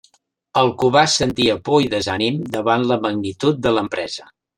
El Cubà sentia por i desànim davant la magnitud de l'empresa.